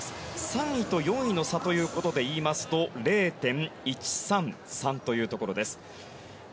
３位と４位の差ということでいいますと０．１３３というところです。